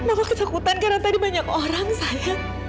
mama ketakutan karena tadi banyak orang sayang